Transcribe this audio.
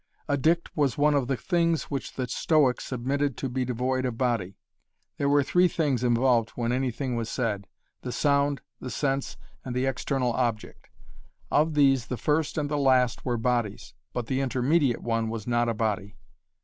A dict was one of the things which the Stoics admitted to be devoid of body. There were three things involved when anything was said the sound, the sense, and the external object. Of these the first and the last were bodies, but the intermediate one was not a body.